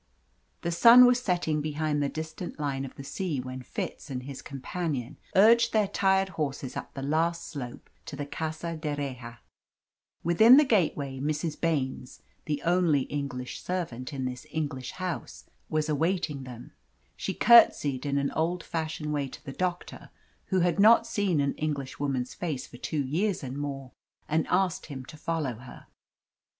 The sun was setting behind the distant line of the sea when Fitz and his companion urged their tired horses up the last slope to the Casa d'Erraha. Within the gateway Mrs. Baines, the only English servant in this English house, was awaiting them. She curtsied in an old fashioned way to the doctor, who had not seen an Englishwoman's face for two years and more, and asked him to follow her.